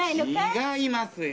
違いますよ！